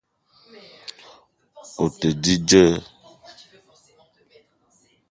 O te di dzeu